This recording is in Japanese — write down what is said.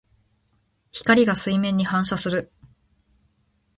光が水面に反射する。